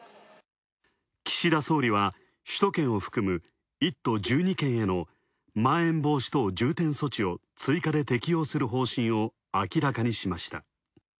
岸田総理は首都圏を含む１都１２県へのまん延防止等重点措置を追加で適用する方針を明らかにしました。